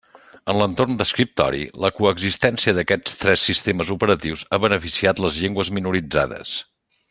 En l'entorn d'escriptori, la coexistència d'aquests tres sistemes operatius ha beneficiat les llengües minoritzades.